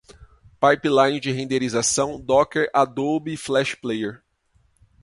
pipeline de renderização, docker, adobe flash player